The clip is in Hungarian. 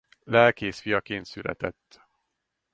Lelkész fiaként született.